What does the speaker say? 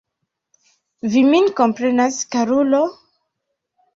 Vi min komprenas, karulo?